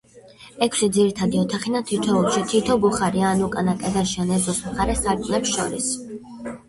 ექვსი ძირითადი ოთახიდან თითოეულში, თითო ბუხარია, ან უკანა კედელში, ან ეზოს მხარეს, სარკმლებს შორის.